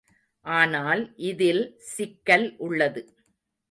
ஆனால் இதில் சிக்கல் உள்ளது.